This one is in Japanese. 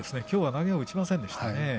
きょうは投げを打ちませんでした。